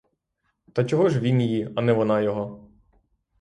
Та чого ж він її, а не вона його?